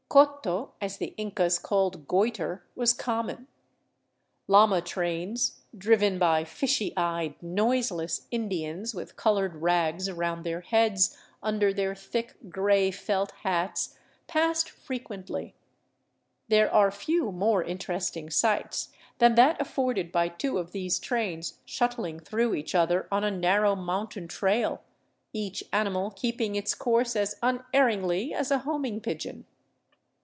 Ccoto, as the Incas called goitre, was common. Llama trains, driven by fishy eyed, noiseless Indians with colored rags around their heads under their thick, gray felt hats, passed frequently. There are few more inter esting sights than that afforded by two of these trains shuttling through each other on a narrow mountain trail, each animal keeping its course as unerringly as a homing pigeon.